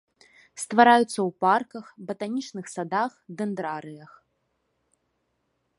Ствараюцца ў парках, батанічных садах, дэндрарыях.